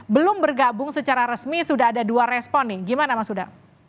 belum bergabung secara resmi sudah ada dua respon nih gimana mas huda